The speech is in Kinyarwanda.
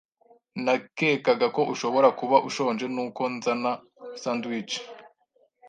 Nakekaga ko ushobora kuba ushonje nuko nzana sandwiches.